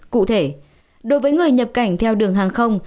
cụ thể đối với người nhập cảnh theo đường hàng không